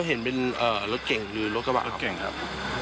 เห็นเป็นรถเก่งรถกระบะครับ